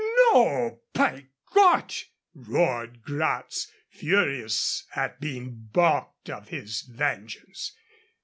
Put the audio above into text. "No, py Cott!" roared Gratz, furious at being balked of his vengeance.